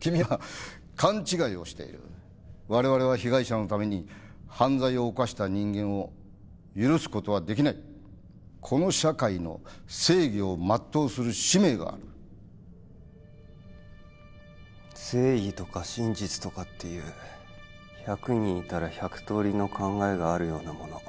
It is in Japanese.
君は勘違いをしている我々は被害者のために犯罪を犯した人間を許すことはできないこの社会の正義をまっとうする使命がある正義とか真実とかっていう１００人いたら１００とおりの考えがあるようなもの